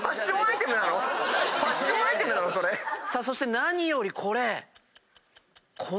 そして何よりこれ。